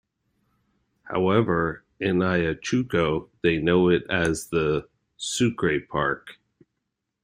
However, in Ayacucho, they know it as the "Sucre park".